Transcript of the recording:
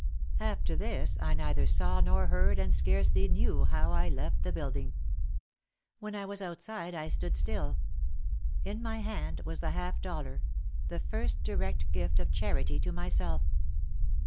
After this I neither saw nor heard and scarcely knew how I left the building. When I was outside I stood still. In my hand was the half dollar, the first direct gift of charity to myself.